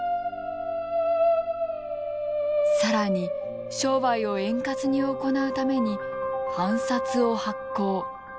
更に商売を円滑に行うために藩札を発行。